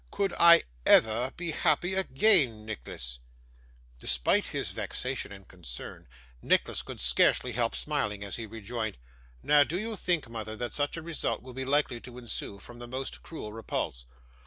Could I ever be happy again, Nicholas?' Despite his vexation and concern, Nicholas could scarcely help smiling, as he rejoined, 'Now, do you think, mother, that such a result would be likely to ensue from the most cruel repulse?